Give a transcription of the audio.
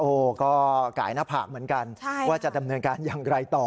โอ้โหก็กายหน้าผากเหมือนกันว่าจะดำเนินการอย่างไรต่อ